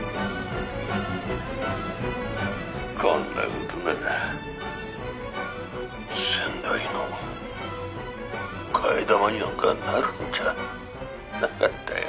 「こんな事なら先代の替え玉になんかなるんじゃなかったよ。